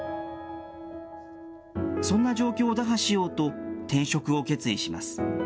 そんな状況を打破しようと、転職を決意します。